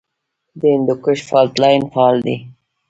د هندوکش فالټ لاین فعال دی